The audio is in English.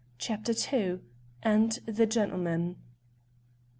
CHAPTER II. AND THE GENTLEMAN.